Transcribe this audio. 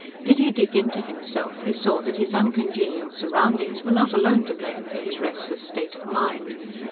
Did he dig into himself, he saw that his uncongenial surroundings were not alone to blame for his restless state of mind.